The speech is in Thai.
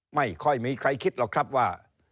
ไม่ค่อยมีใครคิดหรอกครับว่า